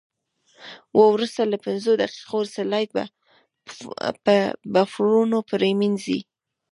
وروسته له پنځو دقیقو سلایډ په بفرونو پرېمنځئ.